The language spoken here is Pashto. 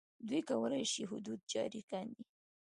دوی کولای شي حدود جاري کاندي.